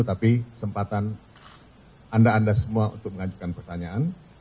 tapi kesempatan anda anda semua untuk mengajukan pertanyaan